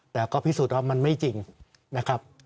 แต่ก็พิสูจน์ว่ามันไม่จริงนะครับ